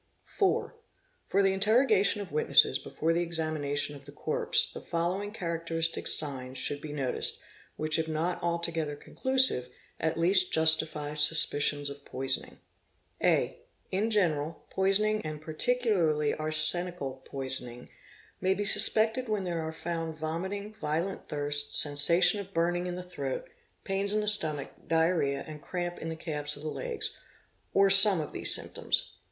4. For the interrogation of witnesses before the examination of the corpse the following characteristic signs should be noticed, which if not altogether conclusive at least justify suspicions of poisoning. (a) In general, poisoning and particularly arsenical poisoning may be suspected when there are found vomiting, violent thirst, sensation of burning in the throat, pains in the stomach, diarrhoea, and cramp in _ the calves of the legs, or some of these symptoms.